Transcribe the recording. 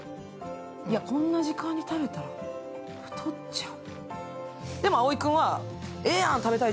こんな時間に食べたら太っちゃう。